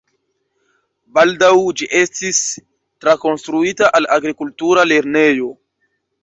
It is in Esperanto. Baldaŭ ĝi estis trakonstruita al agrikultura lernejo.